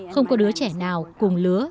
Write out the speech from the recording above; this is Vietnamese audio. không có đứa trẻ nào cùng lứa